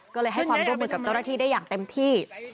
ก็เลยให้ความร่วมมือกับเจ้าหน้าที่ได้อย่างเต็มที่